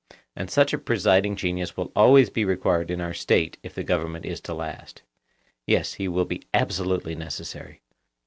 And such a presiding genius will be always required in our State if the government is to last. Yes, he will be absolutely necessary.